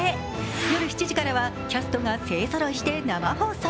夜７時からはキャストが勢ぞろいして生放送。